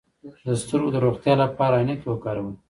د سترګو د روغتیا لپاره عینکې وکاروئ